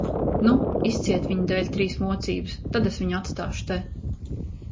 Nu, izciet viņa dēļ trīs mocības, tad es viņu atstāšu te.